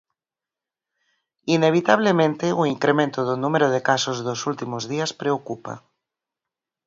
Inevitablemente o incremento do número de casos dos últimos días preocupa.